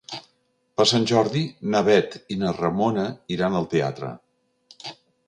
Per Sant Jordi na Bet i na Ramona iran al teatre.